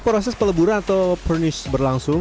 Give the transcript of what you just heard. saat proses peleburan atau pernis berlangsung